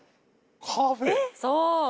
そう。